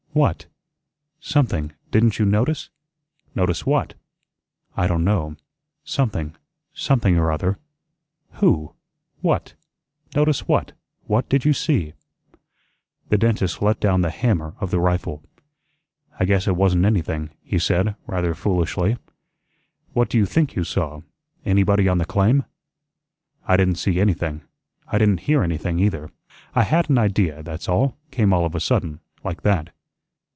"What?" "Something didn't you notice?" "Notice what?" "I don' know. Something something or other." "Who? What? Notice what? What did you see?" The dentist let down the hammer of the rifle. "I guess it wasn't anything," he said rather foolishly. "What d'you think you saw anybody on the claim?" "I didn't see anything. I didn't hear anything either. I had an idea, that's all; came all of a sudden, like that.